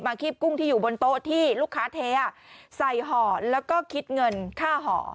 คีบกุ้งที่อยู่บนโต๊ะที่ลูกค้าเทใส่ห่อแล้วก็คิดเงินค่าห่อ